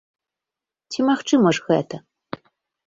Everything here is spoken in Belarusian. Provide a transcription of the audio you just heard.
Ці магчыма ж гэта?